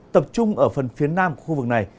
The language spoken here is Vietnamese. tập trung ở phần phía nam khu vực này